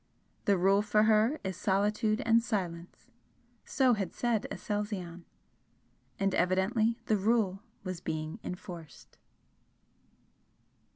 'The rule for her is solitude and silence.' So had said Aselzion. And evidently the rule was being enforced.